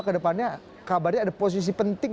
kedepannya kabarnya ada posisi penting